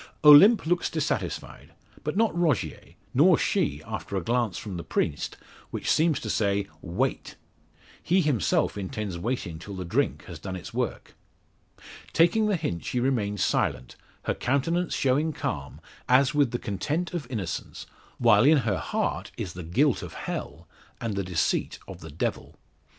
Olympe looks dissatisfied, but not Rogier nor she, after a glance from the priest, which seems to say "Wait." He himself intends waiting till the drink has done its work. Taking the hint she remains silent, her countenance showing calm, as with the content of innocence, while in her heart is the guilt of hell, and the deceit of the devil.